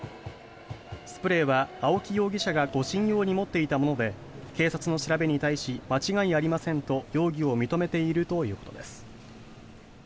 スプレーは青木容疑者が護身用に持っていたもので警察の調べに対し間違いありませんと容疑を認めているということです。